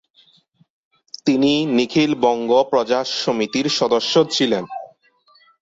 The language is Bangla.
তিনি নিখিল বঙ্গ প্রজা সমিতির সদস্য ছিলেন।